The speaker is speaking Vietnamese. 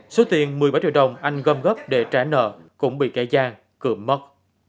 số tiền một mươi bảy triệu đồng anh gom góp để trả nợ cũng bị kẻ giang cượm mất